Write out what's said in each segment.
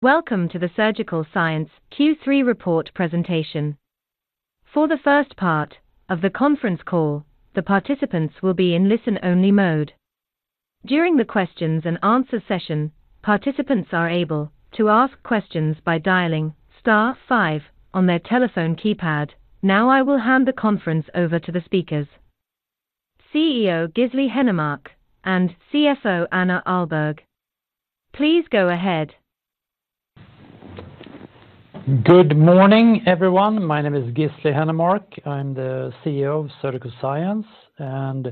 Welcome to the Surgical Science Q3 report presentation. For the first part of the conference call, the participants will be in listen-only mode. During the questions and answer session, participants are able to ask questions by dialing star five on their telephone keypad. Now, I will hand the conference over to the speakers, CEO Gisli Hennermark and CFO Anna Ahlberg. Please go ahead. Good morning, everyone. My name is Gisli Hennermark. I'm the CEO of Surgical Science, and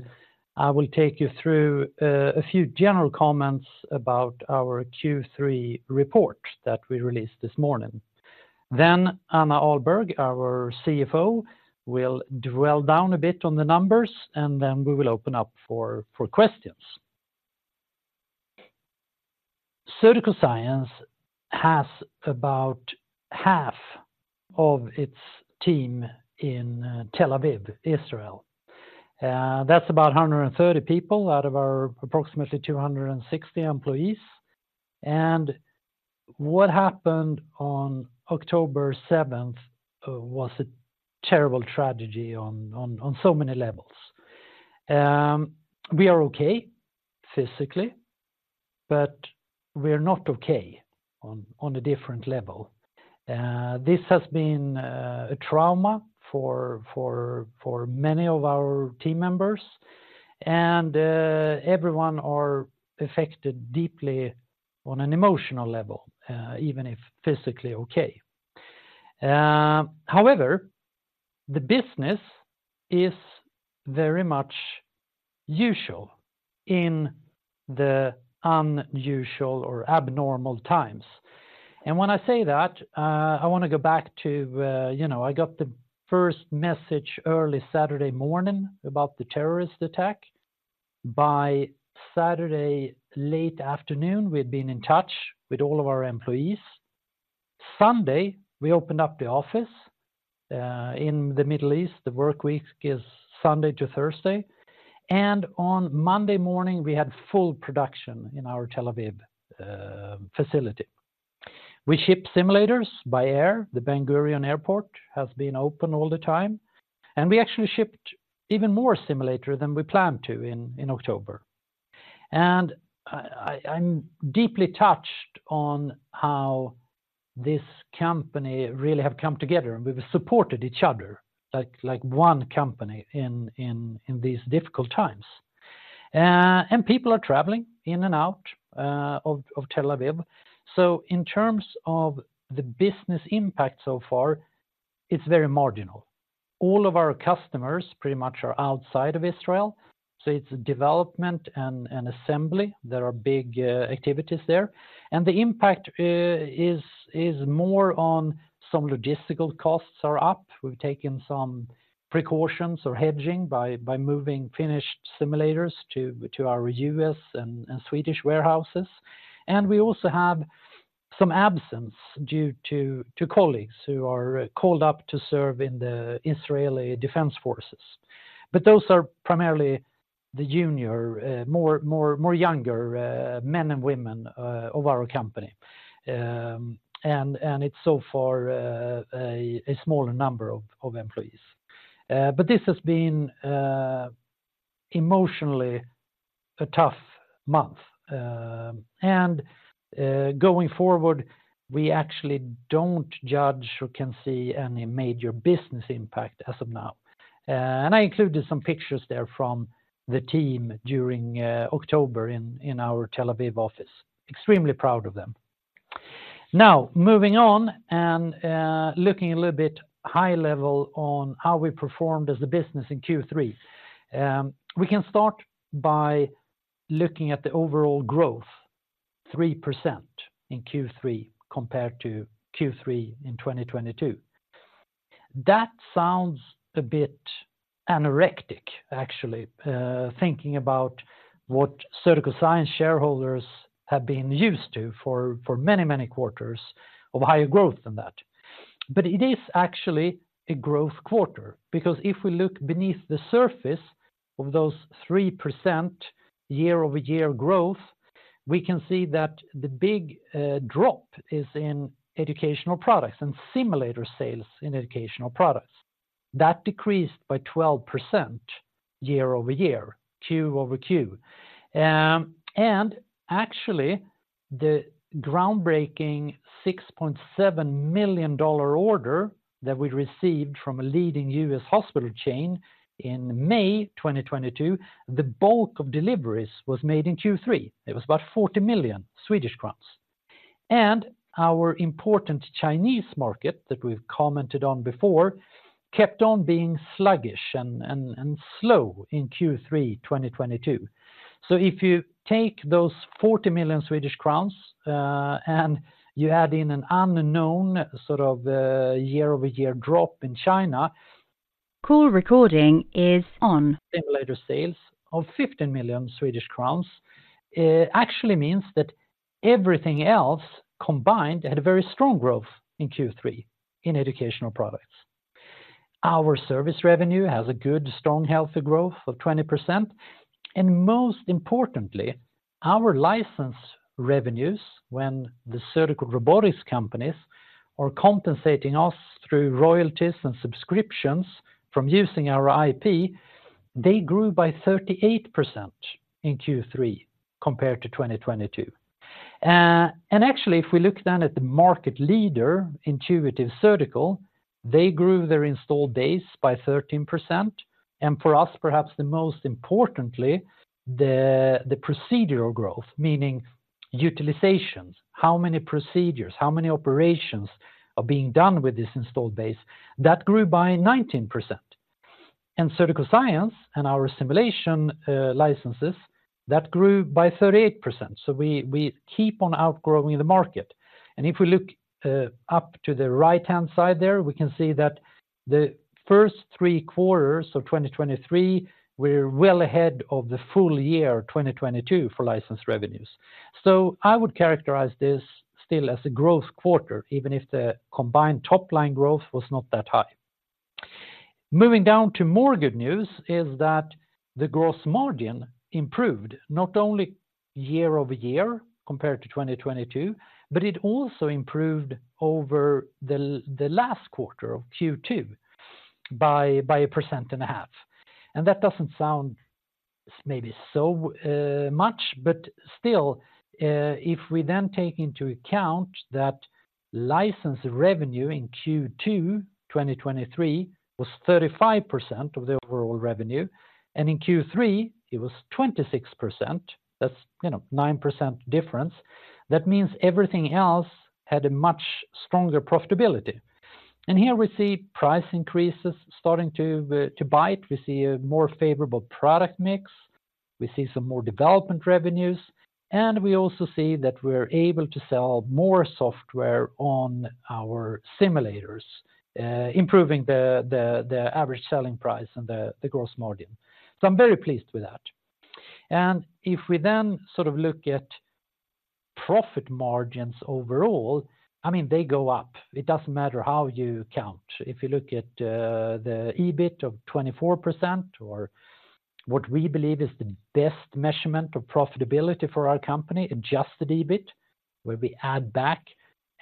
I will take you through a few general comments about our Q3 report that we released this morning. Then Anna Ahlberg, our CFO, will drill down a bit on the numbers, and then we will open up for questions. Surgical Science has about half of its team in Tel Aviv, Israel. That's about 130 people out of our approximately 260 employees. And what happened on October 7th was a terrible tragedy on so many levels. We are okay physically, but we're not okay on a different level. This has been a trauma for many of our team members, and everyone are affected deeply on an emotional level, even if physically okay. However, the business is very much usual in the unusual or abnormal times. And when I say that, I wanna go back to, you know... I got the first message early Saturday morning about the terrorist attack. By Saturday, late afternoon, we had been in touch with all of our employees. Sunday, we opened up the office. In the Middle East, the workweek is Sunday to Thursday, and on Monday morning, we had full production in our Tel Aviv facility. We ship simulators by air. The Ben Gurion Airport has been open all the time, and we actually shipped even more simulator than we planned to in October. And I'm deeply touched on how this company really have come together, and we've supported each other like one company in these difficult times. And people are traveling in and out of Tel Aviv. So in terms of the business impact so far, it's very marginal. All of our customers pretty much are outside of Israel, so it's development and assembly. There are big activities there. And the impact is more on some logistical costs are up. We've taken some precautions or hedging by moving finished simulators to our U.S. and Swedish warehouses. And we also have some absence due to colleagues who are called up to serve in the Israeli Defense Forces. But those are primarily the junior more younger men and women of our company. And it's so far a smaller number of employees. But this has been emotionally a tough month. Going forward, we actually don't judge or can see any major business impact as of now. I included some pictures there from the team during October in our Tel Aviv office. Extremely proud of them. Now, moving on and looking a little bit high level on how we performed as a business in Q3. We can start by looking at the overall growth, 3% in Q3 compared to Q3 in 2022. That sounds a bit anorexic, actually, thinking about what Surgical Science shareholders have been used to for many, many quarters of higher growth than that. But it is actually a growth quarter, because if we look beneath the surface of those 3% year-over-year growth, we can see that the big drop is in educational products and simulator sales in educational products. That decreased by 12% year-over-year, Q over Q. And actually, the groundbreaking $6.7 million order that we received from a leading U.S. hospital chain in May 2022, the bulk of deliveries was made in Q3. It was about 40 million Swedish crowns. And our important Chinese market that we've commented on before, kept on being sluggish and slow in Q3 2022. So if you take those 40 million Swedish crowns, and you add in an unknown sort of year-over-year drop in China. Simulator sales of 15 million Swedish crowns, actually means that everything else combined had a very strong growth in Q3 in educational products. Our service revenue has a good, strong, healthy growth of 20%, and most importantly, our license revenues, when the surgical robotics companies are compensating us through royalties and subscriptions from using our IP, they grew by 38% in Q3 compared to 2022. And actually, if we look then at the market leader, Intuitive Surgical, they grew their installed base by 13%, and for us, perhaps the most importantly, the procedural growth, meaning utilizations, how many procedures, how many operations are being done with this installed base, that grew by 19%. And Surgical Science and our simulation licenses, that grew by 38%. So we keep on outgrowing the market. If we look up to the right-hand side there, we can see that the first three quarters of 2023, we're well ahead of the full year, 2022, for license revenues. So I would characterize this still as a growth quarter, even if the combined top-line growth was not that high. Moving down to more good news is that the gross margin improved, not only year-over-year compared to 2022, but it also improved over the last quarter of Q2 by a percent and a half. And that doesn't sound maybe so much, but still, if we then take into account that license revenue in Q2 2023 was 35% of the overall revenue, and in Q3, it was 26%, that's, you know, 9% difference, that means everything else had a much stronger profitability. Here we see price increases starting to bite. We see a more favorable product mix, we see some more development revenues, and we also see that we're able to sell more software on our simulators, improving the average selling price and the gross margin. So I'm very pleased with that. And if we then sort of look at profit margins overall, I mean, they go up. It doesn't matter how you count. If you look at the EBIT of 24%, or what we believe is the best measurement of profitability for our company, adjusted EBIT, where we add back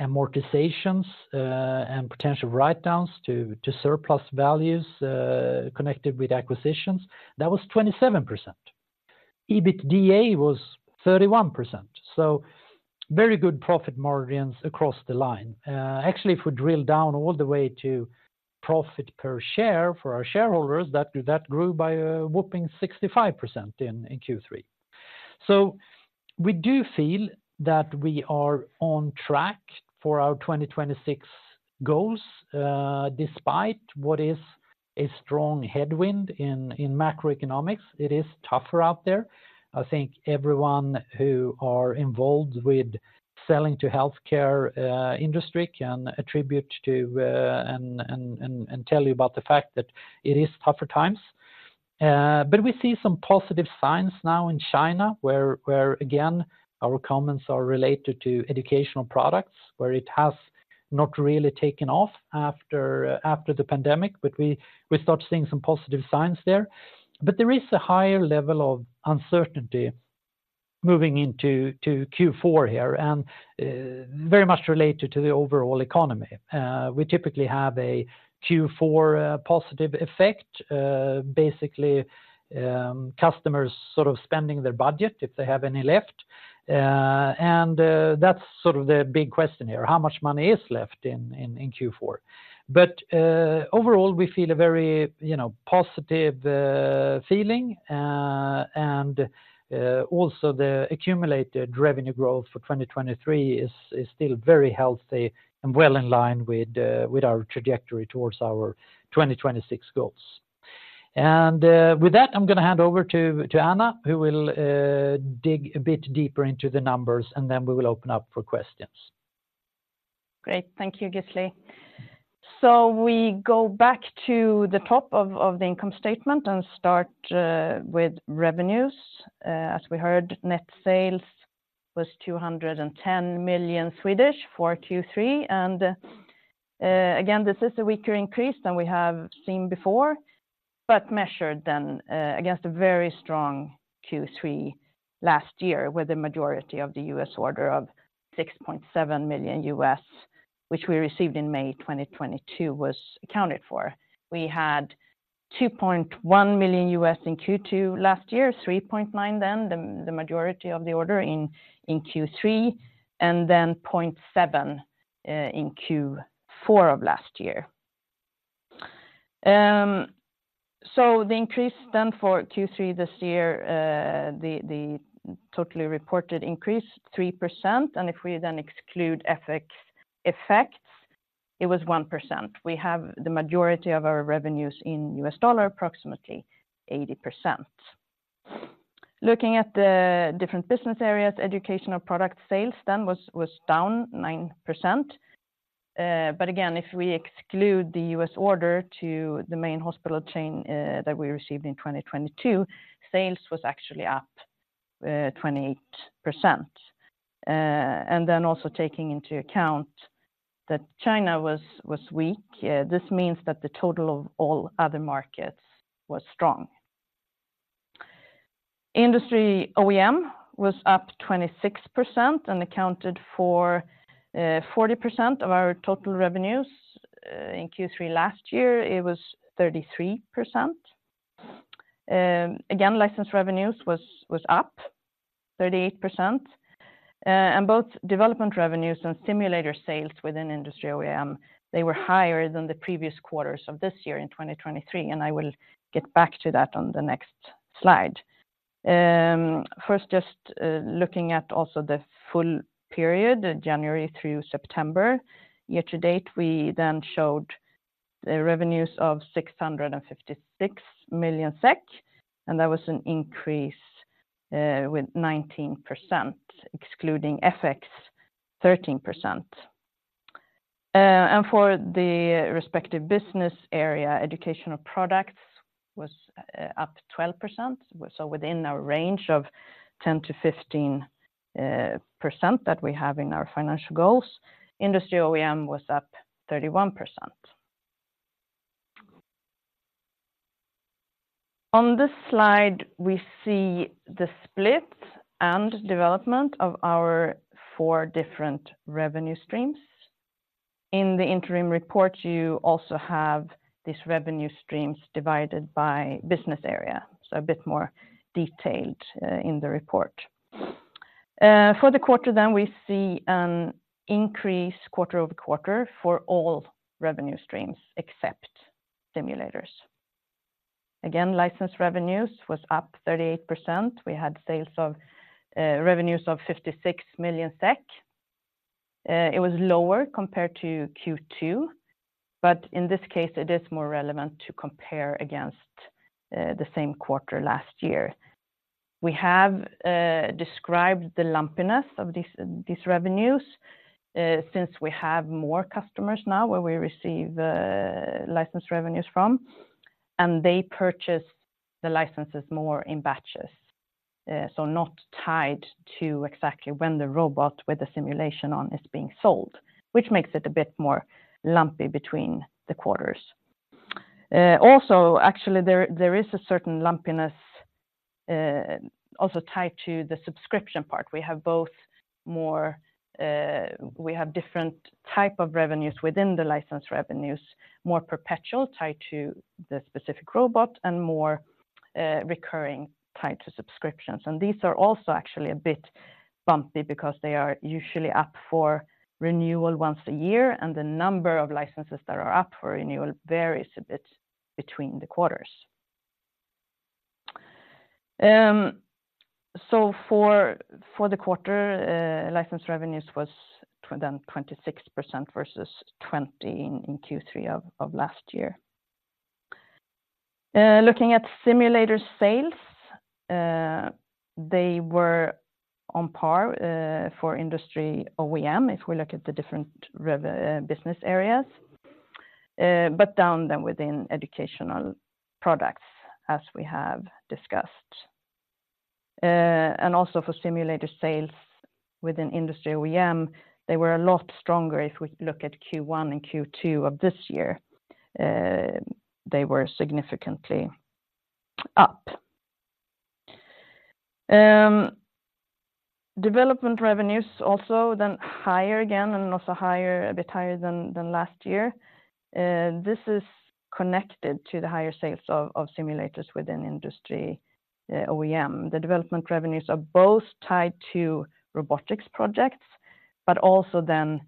amortizations and potential write-downs to surplus values connected with acquisitions, that was 27%. EBITDA was 31%. So very good profit margins across the line. Actually, if we drill down all the way to profit per share for our shareholders, that grew by a whopping 65% in Q3. So we do feel that we are on track for our 2026 goals, despite what is a strong headwind in macroeconomics, it is tougher out there. I think everyone who are involved with selling to healthcare industry can attribute to tell you about the fact that it is tougher times. But we see some positive signs now in China, where again, our comments are related to educational products, where it has not really taken off after the pandemic, but we start seeing some positive signs there. But there is a higher level of uncertainty moving into Q4 here, and very much related to the overall economy. We typically have a Q4 positive effect. Basically, customers sort of spending their budget if they have any left. And that's sort of the big question here, how much money is left in Q4? But overall, we feel a very, you know, positive feeling, and also the accumulated revenue growth for 2023 is still very healthy and well in line with our trajectory towards our 2026 goals. And with that, I'm going to hand over to Anna, who will dig a bit deeper into the numbers, and then we will open up for questions. Great. Thank you, Gisli. So we go back to the top of the income statement and start with revenues. As we heard, net sales was 210 million for Q3. And again, this is a weaker increase than we have seen before, but measured then against a very strong Q3 last year, with the majority of the US order of $6.7 million, which we received in May 2022, was accounted for. We had $2.1 million in Q2 last year, $3.9 million, then the majority of the order in Q3, and then $0.7 million in Q4 of last year. So the increase then for Q3 this year, the totally reported increase, 3%, and if we then exclude FX effects, it was 1%. We have the majority of our revenues in U.S. dollar, approximately 80%. Looking at the different business areas, educational product sales then was down 9%. But again, if we exclude the U.S. order to the main hospital chain that we received in 2022, sales was actually up 28%. And then also taking into account that China was weak, this means that the total of all other markets was strong. Industry OEM was up 26% and accounted for 40% of our total revenues. In Q3 last year, it was 33%. Again, license revenues was up 38%. And both development revenues and simulator sales within industry OEM, they were higher than the previous quarters of this year in 2023, and I will get back to that on the next slide. First, just looking at also the full period, January through September, year to date, we then showed the revenues of 656 million SEK, and that was an increase with 19%, excluding FX, 13%. For the respective business area, educational products was up 12%, so within our range of 10%-15% that we have in our financial goals. Industry OEM was up 31%. On this slide, we see the split and development of our four different revenue streams. In the interim report, you also have these revenue streams divided by business area, so a bit more detailed in the report. For the quarter, then we see an increase quarter-over-quarter for all revenue streams except simulators. Again, license revenues was up 38%. We had sales of revenues of 56 million SEK. It was lower compared to Q2, but in this case, it is more relevant to compare against the same quarter last year. We have described the lumpiness of these revenues since we have more customers now where we receive license revenues from, and they purchase the licenses more in batches, so not tied to exactly when the robot with the simulation on is being sold, which makes it a bit more lumpy between the quarters. Also, actually, there is a certain lumpiness also tied to the subscription part. We have both more, we have different type of revenues within the license revenues, more perpetual tied to the specific robot and more recurring tied to subscriptions. These are also actually a bit bumpy because they are usually up for renewal once a year, and the number of licenses that are up for renewal varies a bit between the quarters. So for the quarter, license revenues was then 26% versus 20 in Q3 of last year. Looking at simulator sales, they were on par for Industry OEM, if we look at the different business areas, but down then within educational products, as we have discussed. And also for simulator sales within Industry OEM, they were a lot stronger if we look at Q1 and Q2 of this year. They were significantly up. Development revenues also then higher again and also higher, a bit higher than last year. This is connected to the higher sales of simulators within industry OEM. The development revenues are both tied to robotics projects, but also then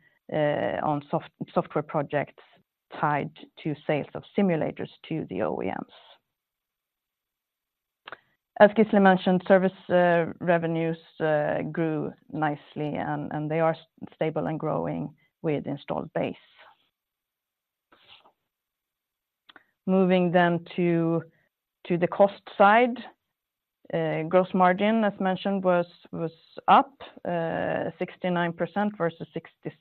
on software projects tied to sales of simulators to the OEMs. As Gisli mentioned, service revenues grew nicely, and they are stable and growing with installed base. Moving then to the cost side, gross margin, as mentioned, was up 69% versus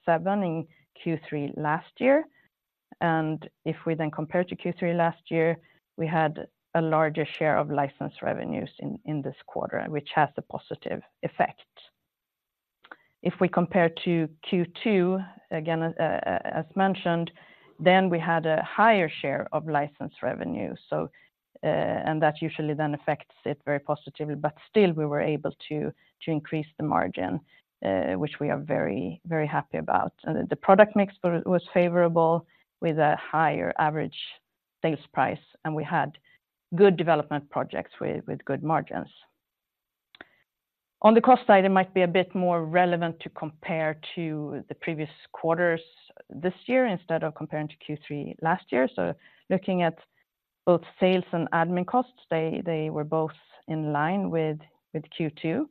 67% in Q3 last year. If we then compare to Q3 last year, we had a larger share of license revenues in this quarter, which has a positive effect. If we compare to Q2, again, as mentioned, then we had a higher share of license revenue, so, and that usually then affects it very positively, but still we were able to increase the margin, which we are very, very happy about. And the product mix was favorable with a higher average sales price, and we had good development projects with good margins. On the cost side, it might be a bit more relevant to compare to the previous quarters this year instead of comparing to Q3 last year. So looking at both sales and admin costs, they were both in line with Q2.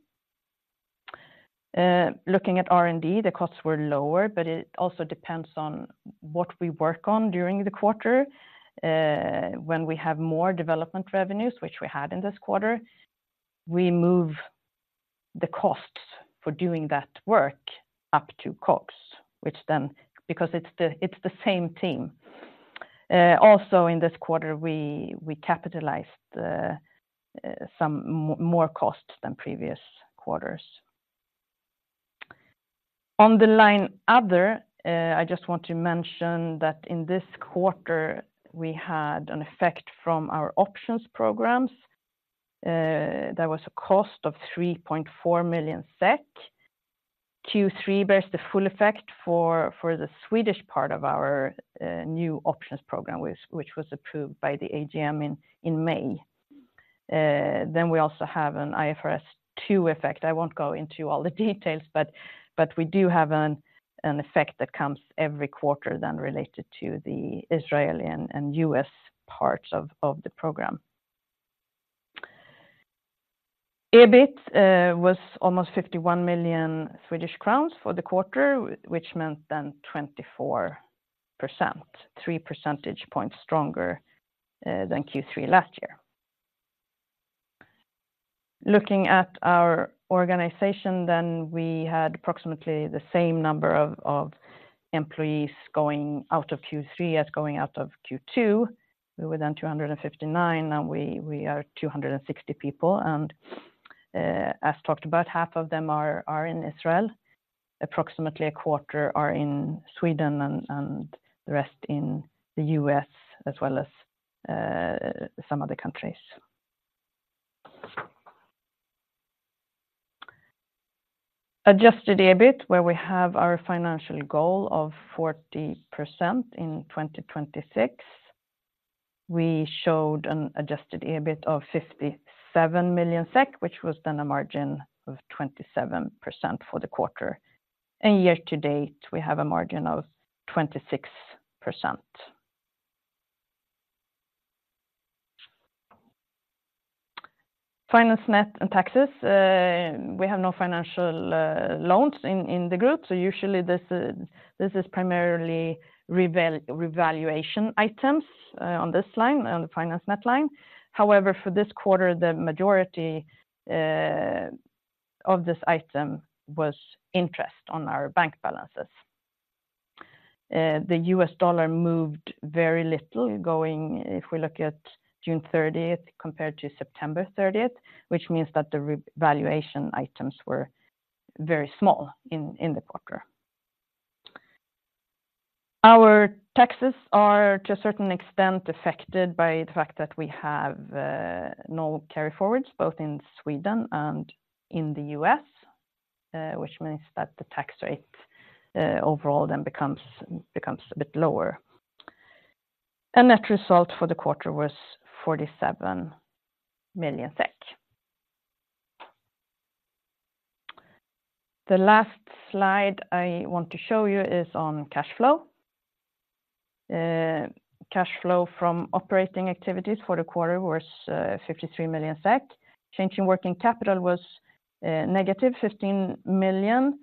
Looking at R&D, the costs were lower, but it also depends on what we work on during the quarter. When we have more development revenues, which we had in this quarter, we move the costs for doing that work up to COGS, which then, because it's the same team, also in this quarter, we capitalized some more costs than previous quarters. On the line other, I just want to mention that in this quarter, we had an effect from our options programs. There was a cost of 3.4 million SEK. Q3 bears the full effect for the Swedish part of our new options program, which was approved by the AGM in May. Then we also have an IFRS 2 effect. I won't go into all the details, but we do have an effect that comes every quarter then related to the Israeli and U.S. parts of the program. EBIT was almost 51 million Swedish crowns for the quarter, which meant then 24%, three percentage points stronger than Q3 last year. Looking at our organization, then we had approximately the same number of employees going out of Q3 as going out of Q2. We were then 259, now we are 260 people, and as talked about, half of them are in Israel. Approximately a quarter are in Sweden and the rest in the U.S., as well as some other countries. Adjusted EBIT, where we have our financial goal of 40% in 2026. We showed an adjusted EBIT of 57 million SEK, which was then a margin of 27% for the quarter. And year to date, we have a margin of 26%. Financial net and taxes, we have no financial loans in the group, so usually this is primarily revaluation items on this line, on the financial net line. However, for this quarter, the majority of this item was interest on our bank balances. The U.S. dollar moved very little going, if we look at June 30th compared to September 30th, which means that the revaluation items were very small in the quarter. Our taxes are, to a certain extent, affected by the fact that we have no carryforwards, both in Sweden and in the U.S., which means that the tax rate overall then becomes a bit lower. Net result for the quarter was 47 million SEK. The last slide I want to show you is on cash flow. Cash flow from operating activities for the quarter was 53 million SEK. Change in working capital was negative 15 million.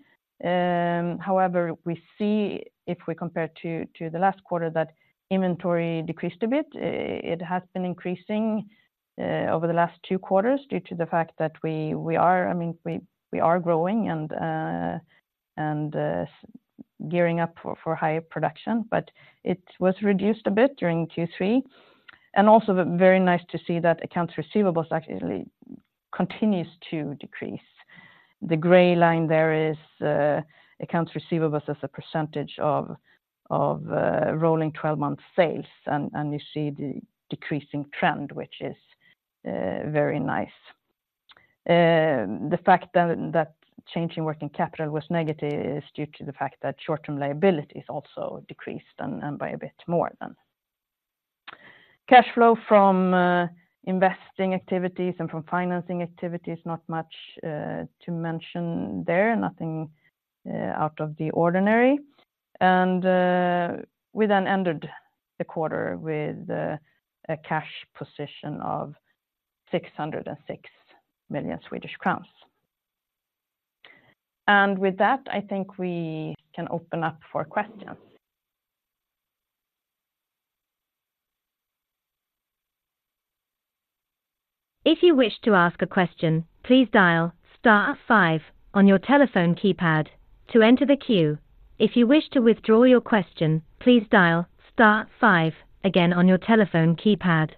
However, we see if we compare to the last quarter, that inventory decreased a bit. It has been increasing over the last two quarters due to the fact that we are, I mean, we are growing and gearing up for higher production. But it was reduced a bit during Q3, and also very nice to see that accounts receivables actually continues to decrease. The gray line there is accounts receivables as a percentage of rolling twelve-month sales, and you see the decreasing trend, which is very nice. The fact that change in working capital was negative is due to the fact that short-term liabilities also decreased, and by a bit more than. Cash flow from investing activities and from financing activities, not much to mention there, nothing out of the ordinary. We then ended the quarter with a cash position of SEK 606 million. With that, I think we can open up for questions. If you wish to ask a question, please dial star five on your telephone keypad to enter the queue. If you wish to withdraw your question, please dial star five again on your telephone keypad.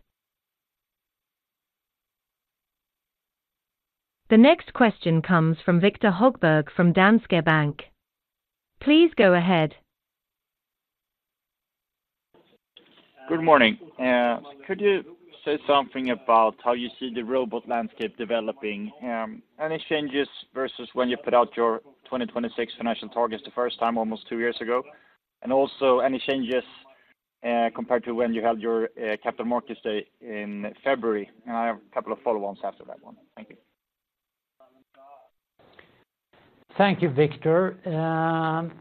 The next question comes from Viktor Högberg from Danske Bank. Please go ahead. Good morning. Could you say something about how you see the robot landscape developing? Any changes versus when you put out your 2026 financial targets the first time, almost two years ago? Also, any changes compared to when you had your capital markets day in February? I have a couple of follow-ons after that one. Thank you. Thank you, Viktor.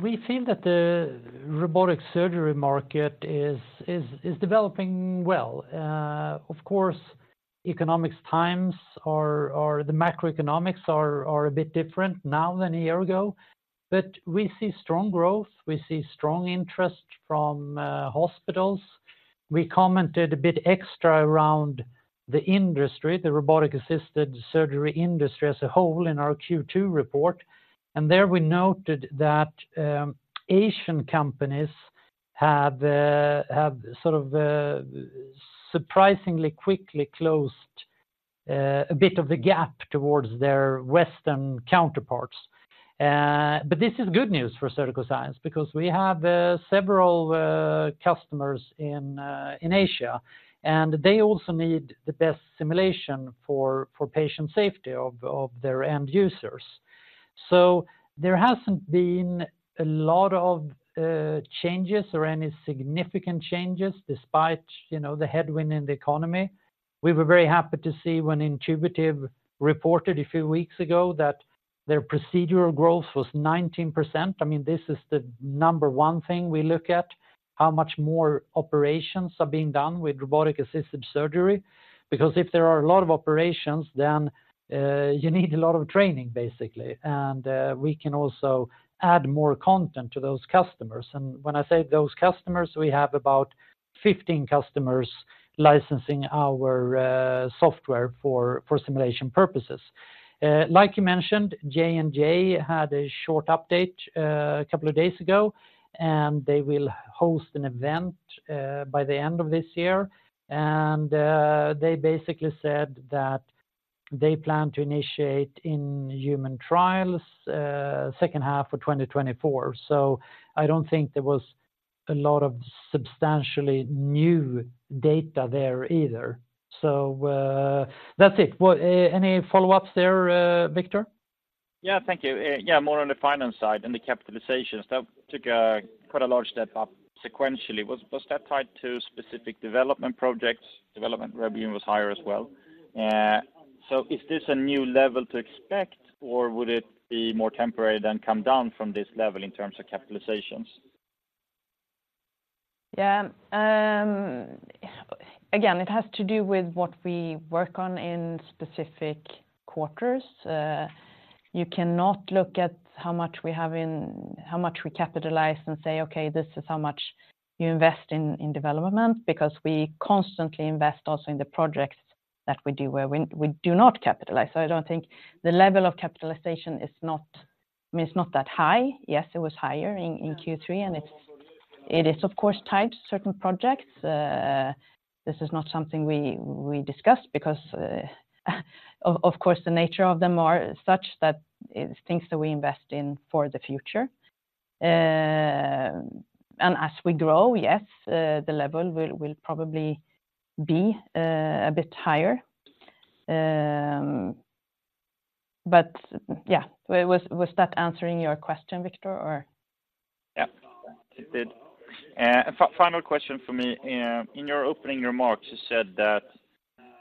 We think that the robotic surgery market is developing well. Of course, economic times or the macroeconomics are a bit different now than a year ago. But we see strong growth, we see strong interest from hospitals. We commented a bit extra around the industry, the robotic-assisted surgery industry as a whole in our Q2 report. And there we noted that Asian companies have sort of surprisingly quickly closed a bit of the gap towards their Western counterparts. But this is good news for Surgical Science because we have several customers in Asia, and they also need the best simulation for patient safety of their end users. So there hasn't been a lot of changes or any significant changes despite, you know, the headwind in the economy. We were very happy to see when Intuitive reported a few weeks ago that their procedural growth was 19%. I mean, this is the number one thing we look at, how much more operations are being done with robotic-assisted surgery. Because if there are a lot of operations, then, you need a lot of training, basically, and, we can also add more content to those customers. And when I say those customers, we have about 15 customers licensing our, software for simulation purposes. Like you mentioned, J&J had a short update, a couple of days ago, and they will host an event, by the end of this year. And, they basically said that they plan to initiate in human trials, second half of 2024. So I don't think there was a lot of substantially new data there either. So, that's it. Well, any follow-ups there, Viktor? Yeah, thank you. Yeah, more on the finance side and the capitalizations, that took a quite a large step up sequentially. Was that tied to specific development projects? Development revenue was higher as well. So is this a new level to expect, or would it be more temporary than come down from this level in terms of capitalizations? Yeah. Again, it has to do with what we work on in specific quarters. You cannot look at how much we have how much we capitalize and say, "Okay, this is how much you invest in development," because we constantly invest also in the projects that we do, where we do not capitalize. So I don't think the level of capitalization is not, I mean, it's not that high. Yes, it was higher in Q3, and it's of course tied to certain projects. This is not something we discuss because of course the nature of them are such that it's things that we invest in for the future. And as we grow, yes, the level will probably be a bit higher. But yeah. Was that answering your question, Viktor, or? Yeah, it did. Final question for me. In your opening remarks, you said that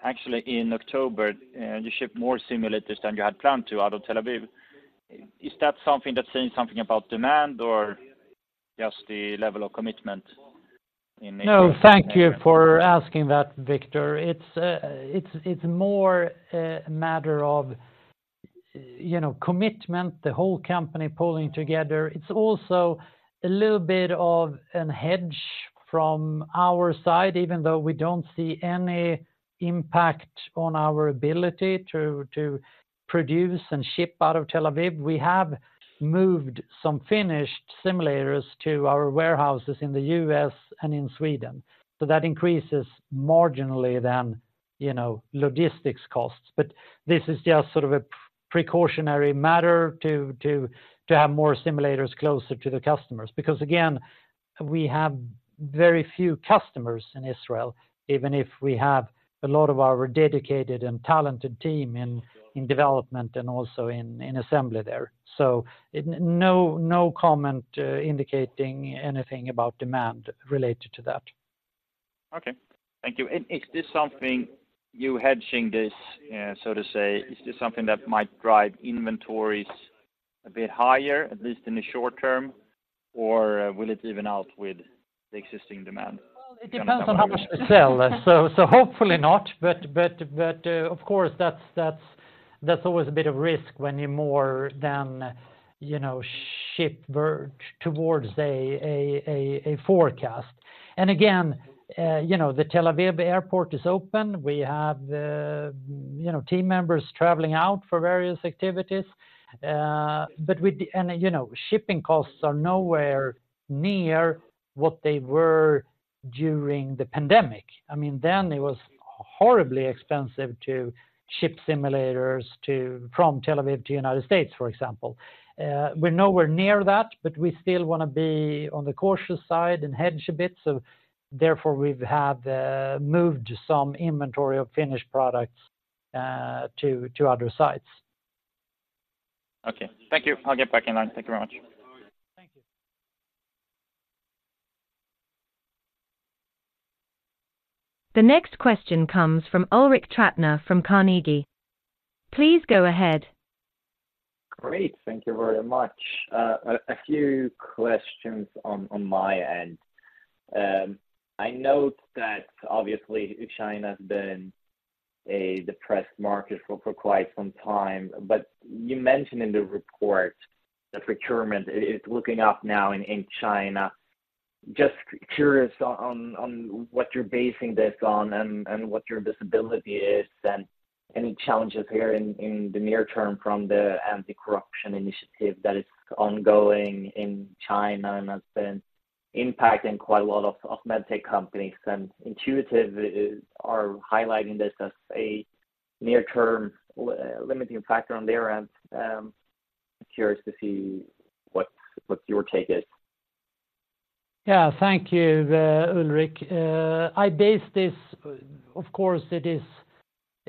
actually in October, you shipped more simulators than you had planned to out of Tel Aviv. Is that something that's saying something about demand or just the level of commitment in- No, thank you for asking that, Viktor. It's more a matter of, you know, commitment, the whole company pulling together. It's also a little bit of a hedge from our side, even though we don't see any impact on our ability to produce and ship out of Tel Aviv. We have moved some finished simulators to our warehouses in the U.S. and in Sweden, so that increases marginally the, you know, logistics costs. But this is just sort of a precautionary matter to have more simulators closer to the customers, because, again, we have very few customers in Israel, even if we have a lot of our dedicated and talented team in development and also in assembly there. So no, no comment indicating anything about demand related to that. Okay, thank you. Is this something you're hedging this, so to say, is this something that might drive inventories a bit higher, at least in the short term, or will it even out with the existing demand? Well, it depends on how much you sell. So hopefully not, but of course that's always a bit of risk when you're more than, you know, ship ver- towards a forecast. And again, you know, the Tel Aviv airport is open. We have, you know, team members traveling out for various activities, but with the... And, you know, shipping costs are nowhere near what they were during the pandemic. I mean, then it was horribly expensive to ship simulators to, from Tel Aviv to United States, for example. We're nowhere near that, but we still wanna be on the cautious side and hedge a bit, so therefore, we've have moved some inventory of finished products to other sites. Okay. Thank you. I'll get back in line. Thank you very much. Thank you. The next question comes from Ulrik Trattner from Carnegie. Please go ahead. Great. Thank you very much. A few questions on my end. I note that obviously China has been a depressed market for quite some time. But you mentioned in the report that procurement is looking up now in China. Just curious on what you're basing this on and what your visibility is, and any challenges here in the near term from the anti-corruption initiative that is ongoing in China and has been impacting quite a lot of med tech companies. And Intuitive is highlighting this as a near-term limiting factor on their end. Curious to see what your take is. Yeah. Thank you, Ulrik. I base this, of course, it is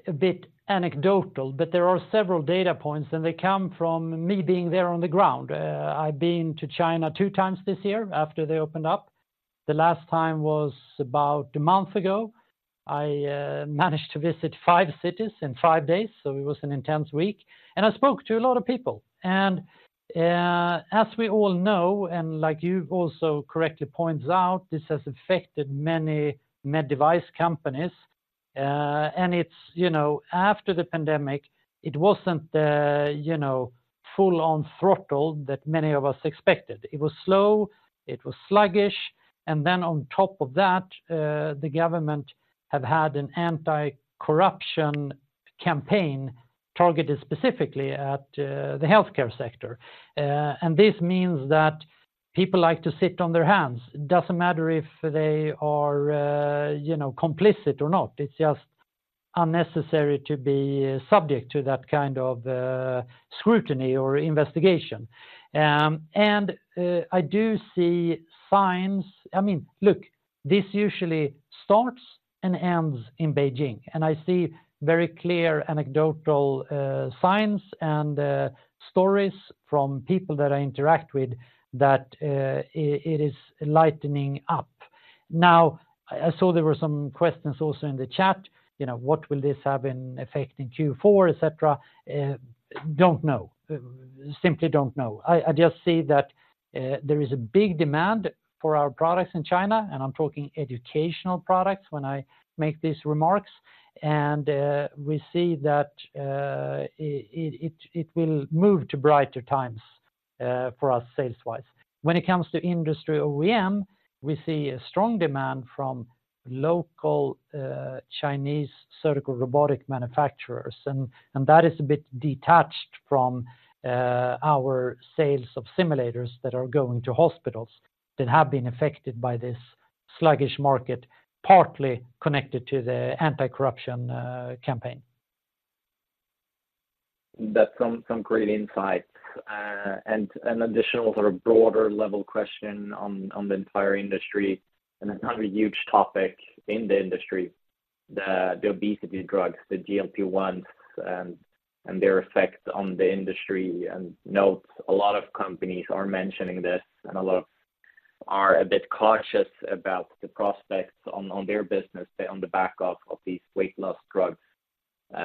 a bit anecdotal, but there are several data points, and they come from me being there on the ground. I've been to China two times this year after they opened up. The last time was about a month ago. I managed to visit five cities in five days, so it was an intense week, and I spoke to a lot of people. And, as we all know, and like you also correctly points out, this has affected many med device companies. And it's, you know, after the pandemic, it wasn't, you know, full on throttle that many of us expected. It was slow, it was sluggish, and then on top of that, the government have had an anti-corruption campaign targeted specifically at, the healthcare sector. And this means that people like to sit on their hands. It doesn't matter if they are, you know, complicit or not, it's just unnecessary to be subject to that kind of scrutiny or investigation. I do see signs—I mean, look, this usually starts and ends in Beijing, and I see very clear anecdotal signs and stories from people that I interact with that it is lightening up. Now, I saw there were some questions also in the chat, you know, what will this have in effect in Q4, et cetera? Don't know. Simply don't know. I just see that there is a big demand for our products in China, and I'm talking educational products when I make these remarks. And, we see that it will move to brighter times for us, sales wise. When it comes to industry OEM, we see a strong demand from local Chinese surgical robotic manufacturers, and that is a bit detached from our sales of simulators that are going to hospitals, that have been affected by this sluggish market, partly connected to the anti-corruption campaign. That's some great insights. And an additional sort of broader level question on the entire industry, and it's not a huge topic in the industry, the obesity drugs, the GLP-1, and their effects on the industry. And note, a lot of companies are mentioning this, and a lot are a bit cautious about the prospects on their business, on the back of these weight loss drugs. Do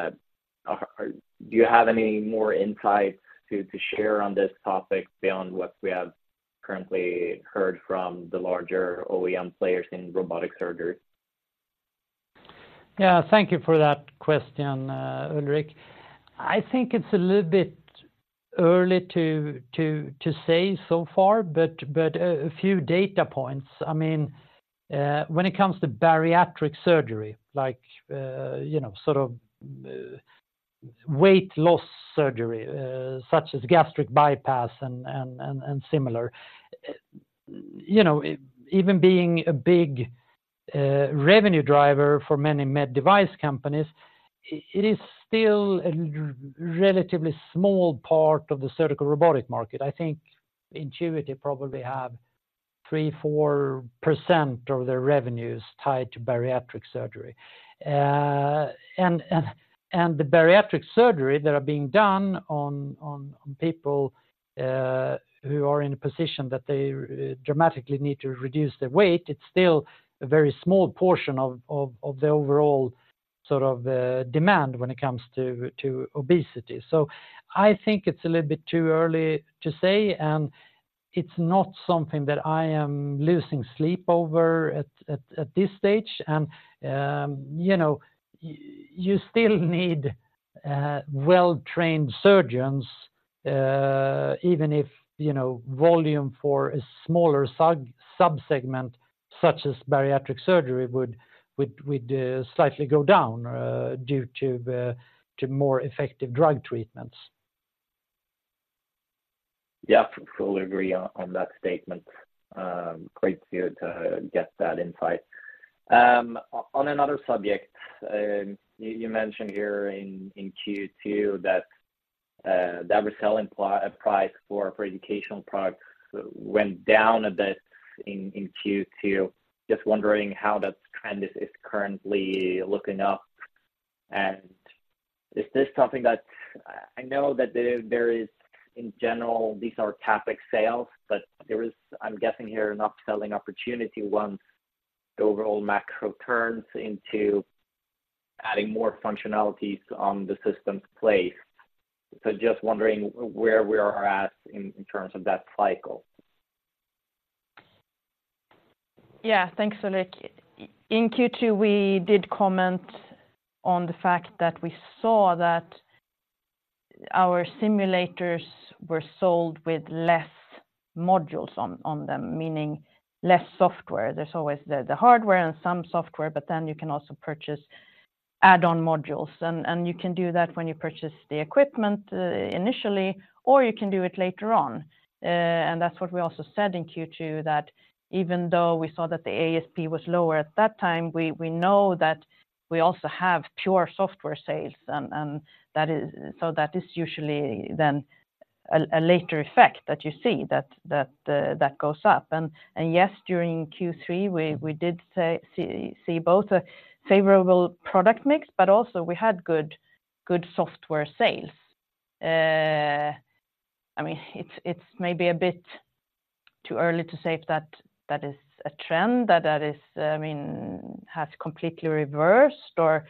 you have any more insights to share on this topic beyond what we have currently heard from the larger OEM players in robotic surgery? Yeah, thank you for that question, Ulrik. I think it's a little bit early to say so far, but a few data points. I mean, when it comes to bariatric surgery, like, you know, sort of, weight loss surgery, such as gastric bypass and similar. You know, even being a big revenue driver for many med device companies, it is still a relatively small part of the surgical robotic market. I think Intuitive probably have 3%-4% of their revenues tied to bariatric surgery. And the bariatric surgery that are being done on people who are in a position that they dramatically need to reduce their weight, it's still a very small portion of the overall sort of demand when it comes to obesity. I think it's a little bit too early to say, and it's not something that I am losing sleep over at this stage. You know, you still need well-trained surgeons, even if, you know, volume for a smaller subsegment such as bariatric surgery would slightly go down due to more effective drug treatments. Yeah, fully agree on that statement. Great to get that insight. On another subject, you mentioned here in Q2 that the reselling price for educational products went down a bit in Q2. Just wondering how that trend is currently looking up. And is this something that—I know that there is, in general, these are topic sales, but there is, I'm guessing here, an upselling opportunity once the overall macro turns into adding more functionalities on the system's place. So just wondering where we are at in terms of that cycle? Yeah, thanks, Ulrik. In Q2, we did comment on the fact that we saw that our simulators were sold with less modules on them, meaning less software. There's always the hardware and some software, but then you can also purchase add-on modules, and you can do that when you purchase the equipment initially, or you can do it later on. And that's what we also said in Q2, that even though we saw that the ASP was lower at that time, we know that we also have pure software sales, and that is so that is usually then a later effect that you see that that goes up. And yes, during Q3, we did see both a favorable product mix, but also we had good software sales. I mean, it's maybe a bit too early to say if that is a trend, that is, I mean, has completely reversed or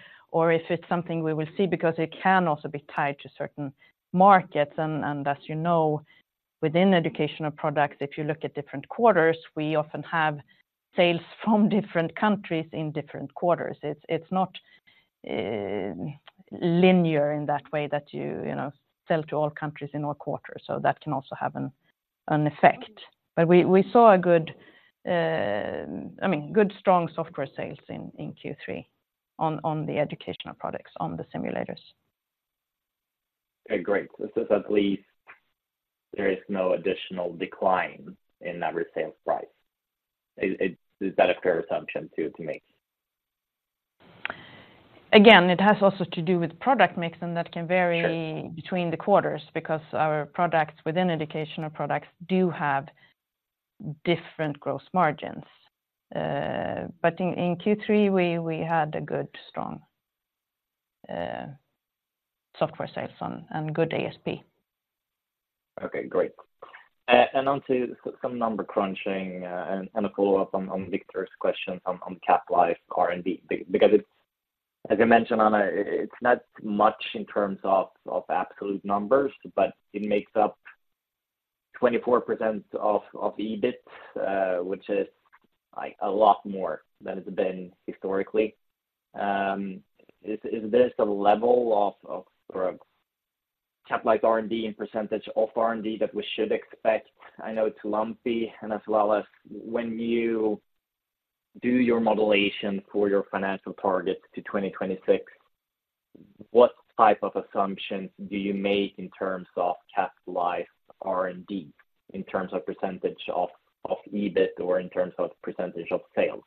if it's something we will see, because it can also be tied to certain markets. And as you know, within educational products, if you look at different quarters, we often have sales from different countries in different quarters. It's not linear in that way that you know sell to all countries in all quarters, so that can also have an effect. But we saw a good, I mean, good, strong software sales in Q3 on the educational products, on the simulators. Okay, great. So at least there is no additional decline in average sales price. Is that a fair assumption to make? Again, it has also to do with product mix, and that can vary- Sure. between the quarters, because our products within educational products do have different gross margins. But in Q3, we had a good, strong software sales on and good ASP. Okay, great. And on to some number crunching, and a follow-up on Victor's question on capitalized R&D. Because it's as I mentioned, Anna, it's not much in terms of absolute numbers, but it makes up 24% of EBIT, which is like a lot more than it's been historically. Is this the level of or capitalized R&D in percentage of R&D that we should expect? I know it's lumpy, and as well as when you do your modeling for your financial targets to 2026, what type of assumptions do you make in terms of capitalized R&D, in terms of percentage of EBIT or in terms of percentage of sales?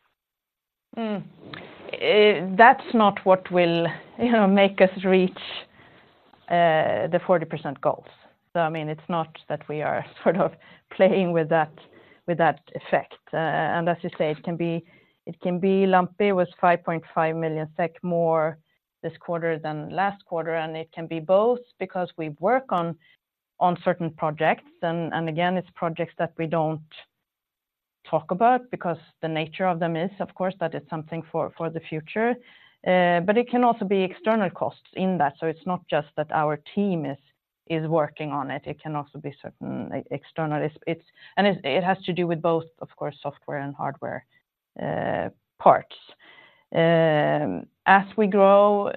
That's not what will, you know, make us reach the 40% goals. So, I mean, it's not that we are sort of playing with that, with that effect. And as you say, it can be lumpy with 5.5 million SEK more this quarter than last quarter, and it can be both because we work on certain projects, and again, it's projects that we don't talk about because the nature of them is, of course, that it's something for the future. But it can also be external costs in that, so it's not just that our team is working on it, it can also be certain external costs. It has to do with both, of course, software and hardware parts. As we grow,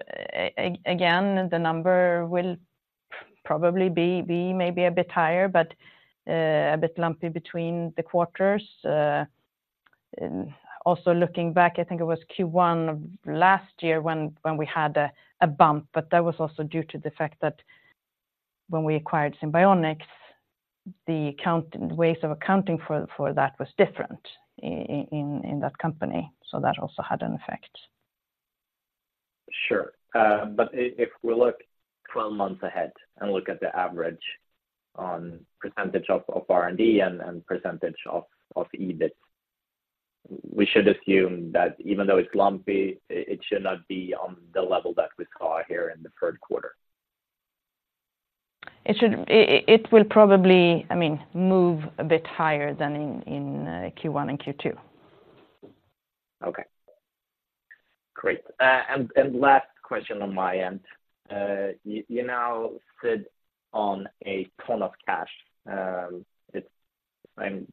again, the number will probably be maybe a bit higher, but a bit lumpy between the quarters. Also, looking back, I think it was Q1 of last year when we had a bump, but that was also due to the fact that when we acquired Simbionix, the ways of accounting for that was different in that company, so that also had an effect. Sure. But if we look 12 months ahead and look at the average on percentage of R&D and percentage of EBIT, we should assume that even though it's lumpy, it should not be on the level that we saw here in the third quarter? It will probably, I mean, move a bit higher than in Q1 and Q2. Okay. Great. And last question on my end. You now sit on a ton of cash. It's—I'm,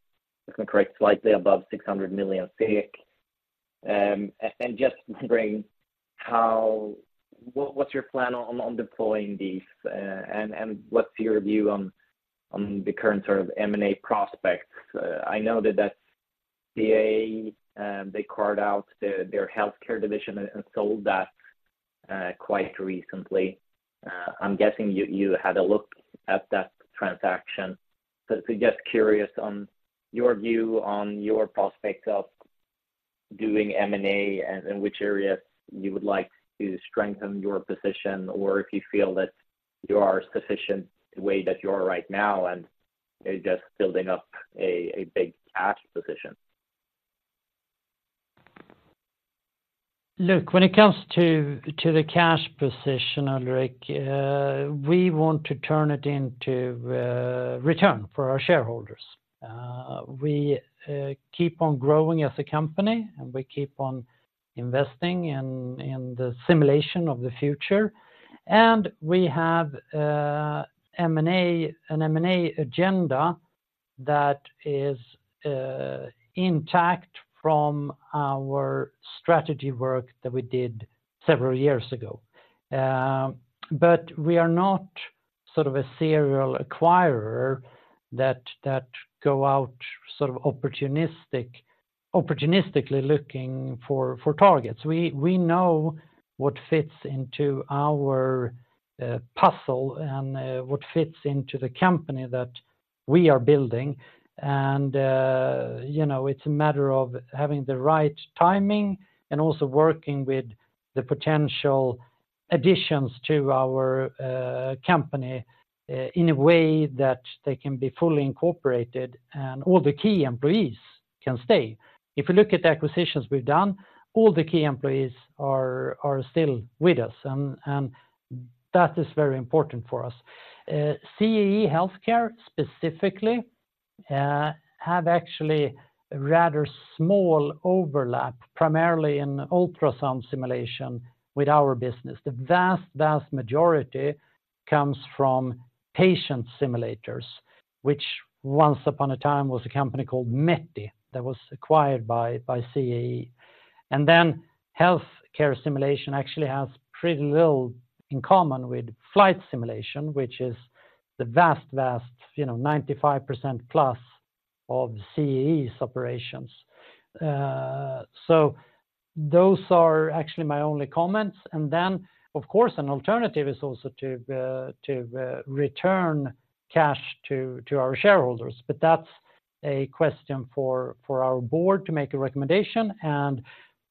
if I'm correct, slightly above 600 million. And just wondering, how—what, what's your plan on deploying these, and what's your view on the current sort of M&A prospects? I know that CAE, they carved out their healthcare division and sold that quite recently. I'm guessing you had a look at that transaction. So just curious on your view on your prospects of doing M&A, and in which areas you would like to strengthen your position, or if you feel that you are sufficient the way that you are right now, and you're just building up a big cash position. Look, when it comes to the cash position, Ulrik, we want to turn it into a return for our shareholders. We keep on growing as a company, and we keep on investing in the simulation of the future, and we have M&A, an M&A agenda that is intact from our strategy work that we did several years ago. But we are not sort of a serial acquirer that go out sort of opportunistically looking for targets. We know what fits into our puzzle and what fits into the company that we are building. And you know, it's a matter of having the right timing and also working with the potential additions to our company in a way that they can be fully incorporated and all the key employees can stay. If you look at the acquisitions we've done, all the key employees are still with us, and that is very important for us. CAE Healthcare specifically have actually a rather small overlap, primarily in ultrasound simulation with our business. The vast majority comes from patient simulators, which once upon a time was a company called METI, that was acquired by CAE. And then healthcare simulation actually has pretty little in common with flight simulation, which is the vast, you know, 95% plus of CAE's operations. So those are actually my only comments. And then, of course, an alternative is also to return cash to our shareholders, but that's a question for our board to make a recommendation and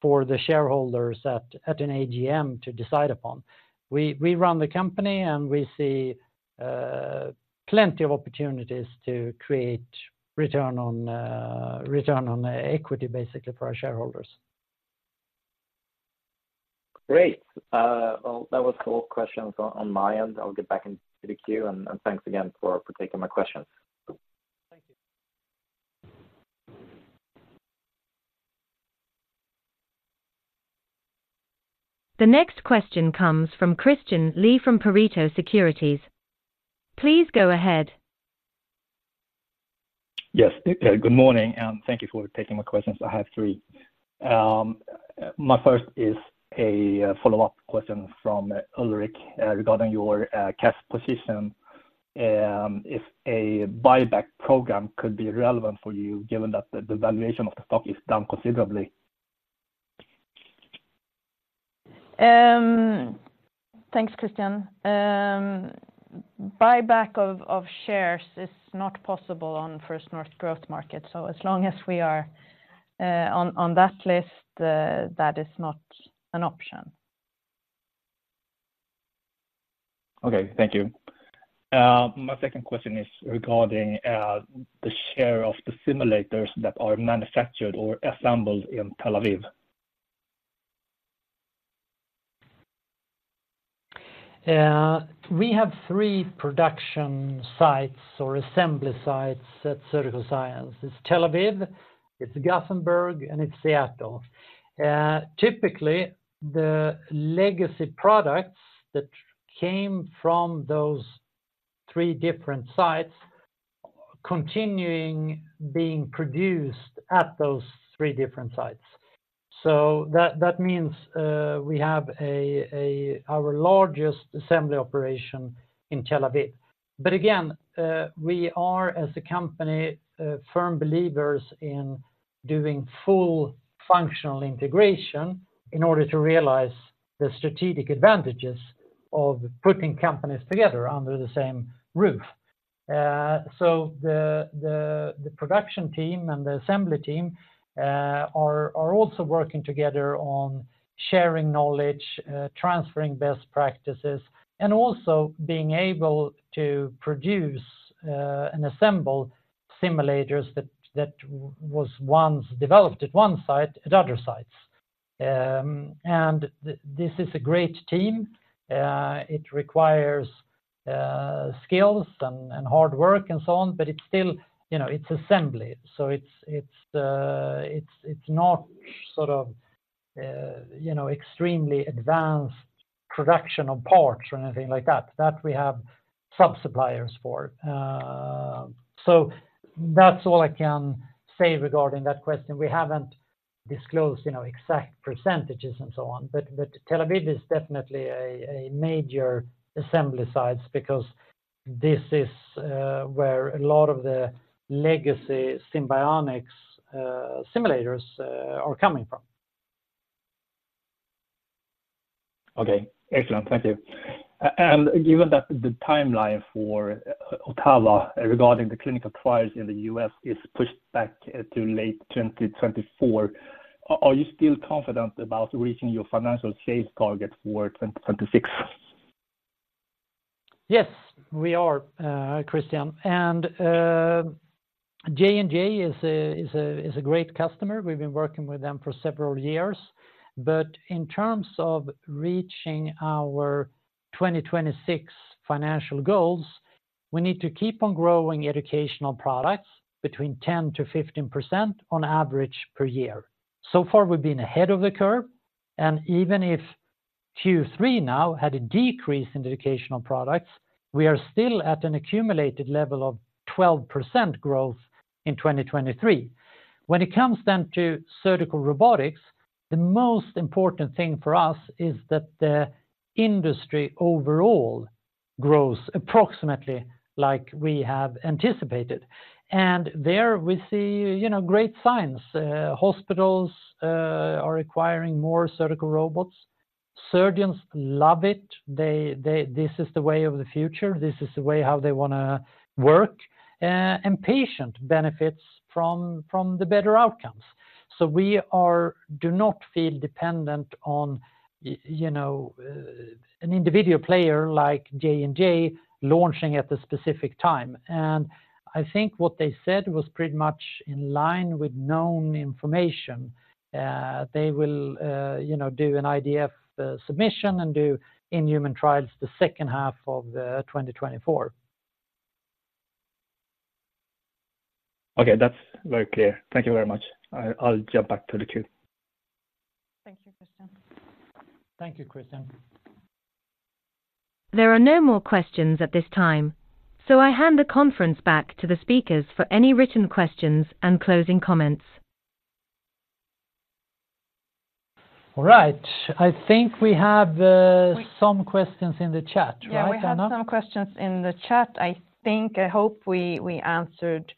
for the shareholders at an AGM to decide upon. We run the company, and we see plenty of opportunities to create return on equity, basically, for our shareholders. Great. Well, that was all questions on my end. I'll get back into the queue, and thanks again for taking my questions. Thank you. The next question comes from Christian Lee from Pareto Securities. Please go ahead. Yes, good morning, and thank you for taking my questions. I have three. My first is a follow-up question from Ulrik, regarding your cash position, if a buyback program could be relevant for you, given that the valuation of the stock is down considerably? Thanks, Christian. Buyback of shares is not possible on First North Growth Market, so as long as we are on that list, that is not an option. Okay, thank you. My second question is regarding the share of the simulators that are manufactured or assembled in Tel Aviv. We have three production sites or assembly sites at Surgical Science. It's Tel Aviv, it's Gothenburg, and it's Seattle. Typically, the legacy products that came from those three different sites, continuing being produced at those three different sites. So that means, we have our largest assembly operation in Tel Aviv. But again, we are, as a company, firm believers in doing full functional integration in order to realize the strategic advantages of putting companies together under the same roof. So the production team and the assembly team are also working together on sharing knowledge, transferring best practices, and also being able to produce and assemble simulators that was once developed at one site, at other sites. And this is a great team. It requires skills and hard work and so on, but it's still, you know, it's assembly, so it's not sort of, you know, extremely advanced production of parts or anything like that, that we have sub-suppliers for. So that's all I can say regarding that question. We haven't disclosed, you know, exact percentages and so on, but Tel Aviv is definitely a major assembly sites because this is where a lot of the legacy Simbionix simulators are coming from. Okay, excellent. Thank you. Given that the timeline for Ottawa, regarding the clinical trials in the U.S., is pushed back to late 2024, are you still confident about reaching your financial shape target for 2026? Yes, we are, Christian, and J&J is a great customer. We've been working with them for several years, but in terms of reaching our 2026 financial goals, we need to keep on growing educational products between 10%-15% on average per year. So far, we've been ahead of the curve, and even if Q3 now had a decrease in educational products, we are still at an accumulated level of 12% growth in 2023. When it comes then to surgical robotics, the most important thing for us is that the industry overall grows approximately like we have anticipated. And there we see, you know, great signs. Hospitals are requiring more surgical robots. Surgeons love it. This is the way of the future, this is the way how they wanna work, and patient benefits from the better outcomes. So we do not feel dependent on, you know, an individual player like J&J launching at a specific time. And I think what they said was pretty much in line with known information. They will, you know, do an IDE submission and do in-human trials the second half of 2024. Okay, that's very clear. Thank you very much. I, I'll jump back to the queue. Thank you, Christian. Thank you, Christian. There are no more questions at this time, so I hand the conference back to the speakers for any written questions and closing comments. All right. I think we have some questions in the chat, right, Anna? Yeah, we have some questions in the chat. I think, I hope we, we answered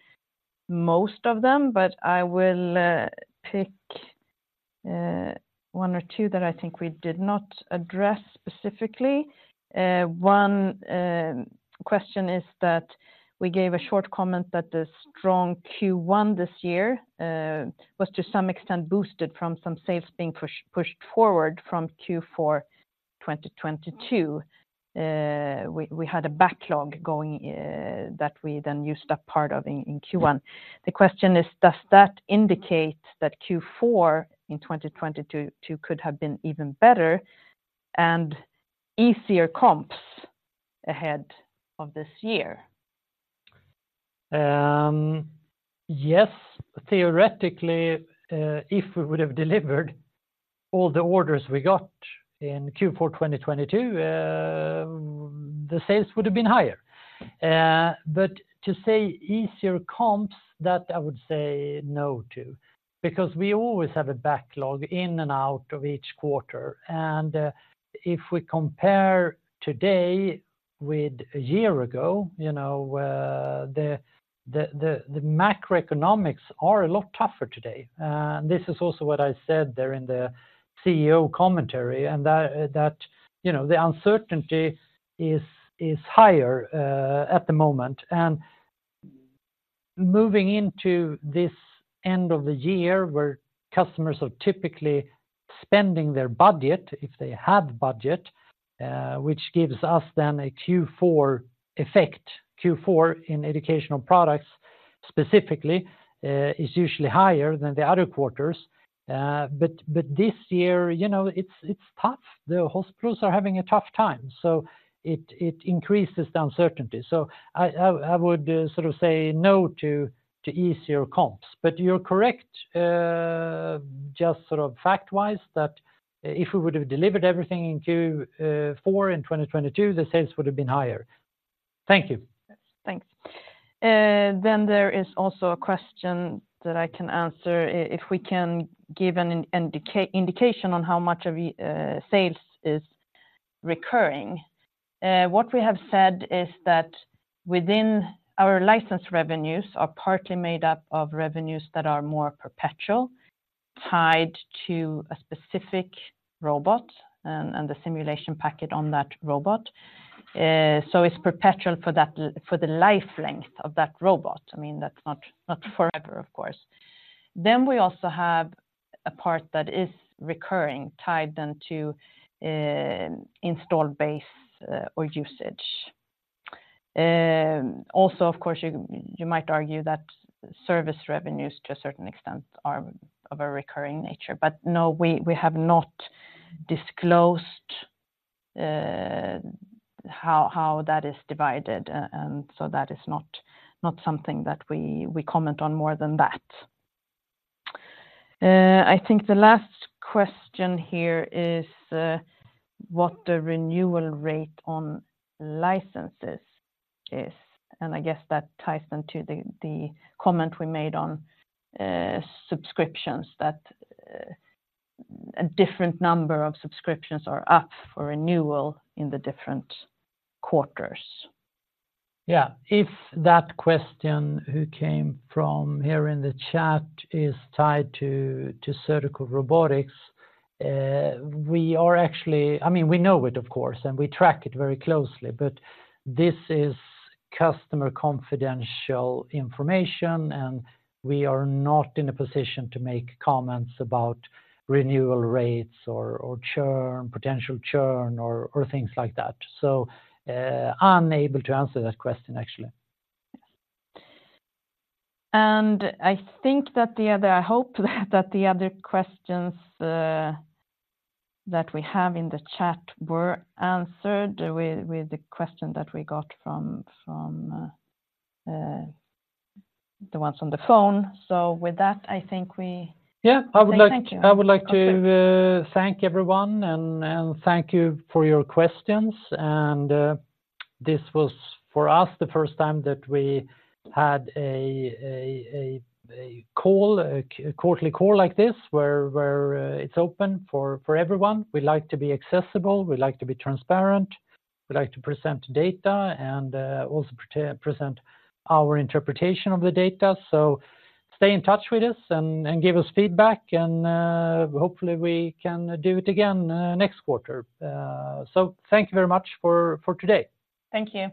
most of them, but I will pick one or two that I think we did not address specifically. One question is that we gave a short comment that the strong Q1 this year was to some extent boosted from some sales being pushed forward from Q4 2022. We had a backlog going that we then used up part of in Q1. The question is: does that indicate that Q4 in 2022 could have been even better and easier comps ahead of this year? Yes, theoretically, if we would have delivered all the orders we got in Q4 2022, the sales would have been higher. But to say easier comps, that I would say no to, because we always have a backlog in and out of each quarter. And if we compare today with a year ago, you know, the macroeconomics are a lot tougher today. This is also what I said there in the CEO commentary, and that, you know, the uncertainty is higher at the moment. And moving into this end of the year, where customers are typically spending their budget, if they have budget, which gives us then a Q4 effect. Q4, in educational products specifically, is usually higher than the other quarters. But this year, you know, it's tough. The hospitals are having a tough time, so it increases the uncertainty. So I would sort of say no to easier comps. But you're correct, just sort of fact-wise, that if we would have delivered everything in Q4 in 2022, the sales would have been higher. Thank you. Yes. Thanks. Then there is also a question that I can answer if we can give an indication on how much of the sales is recurring. What we have said is that within our license revenues are partly made up of revenues that are more perpetual, tied to a specific robot and the simulation packet on that robot. So it's perpetual for that, for the life length of that robot. I mean, that's not forever, of course. Then we also have a part that is recurring, tied then to install base or usage. Also, of course, you might argue that service revenues, to a certain extent, are of a recurring nature, but no, we have not disclosed how that is divided, and so that is not something that we comment on more than that. I think the last question here is, what the renewal rate on licenses is, and I guess that ties then to the, the comment we made on, subscriptions, that, a different number of subscriptions are up for renewal in the different quarters. Yeah. If that question, who came from here in the chat, is tied to surgical robotics, we are actually—I mean, we know it, of course, and we track it very closely, but this is customer confidential information, and we are not in a position to make comments about renewal rates or churn, potential churn, or things like that. So, unable to answer that question, actually. Yes. And I think that the other, I hope that that the other questions that we have in the chat were answered with, with the question that we got from, from the ones on the phone. So with that, I think we- Yeah. Say thank you. I would like to thank everyone and thank you for your questions. This was, for us, the first time that we had a quarterly call like this, where it's open for everyone. We like to be accessible, we like to be transparent, we like to present data and also present our interpretation of the data. So stay in touch with us and give us feedback, and hopefully, we can do it again next quarter. So thank you very much for today. Thank you.